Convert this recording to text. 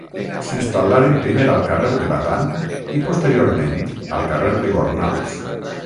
S'instal·laren primer al carrer de Batan i posteriorment al carrer de Gornals.